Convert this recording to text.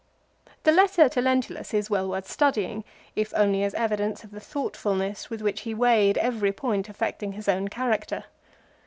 The letter to Lentulus is well worth studying, if only as evidence of the thoughtfulness with which he weighed every point affecting his own character.